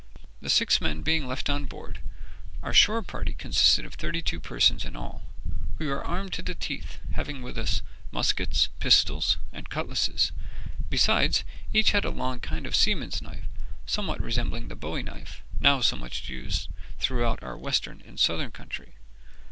The six men being left on board, our shore party consisted of thirty two persons in all. We were armed to the teeth, having with us muskets, pistols, and cutlasses; besides, each had a long kind of seaman's knife, somewhat resembling the bowie knife now so much used throughout our western and southern country.